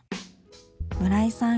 村井さん